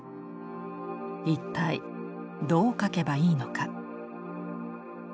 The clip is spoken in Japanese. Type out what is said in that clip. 一体どう描けばいいのか？